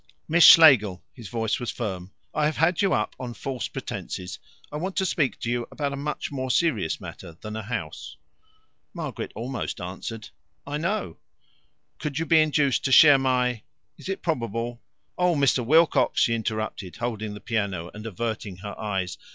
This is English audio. "Miss Schlegel" his voice was firm "I have had you up on false pretences. I want to speak about a much more serious matter than a house." Margaret almost answered: "I know " "Could you be induced to share my is it probable " "Oh, Mr. Wilcox!" she interrupted, holding the piano and averting her eyes.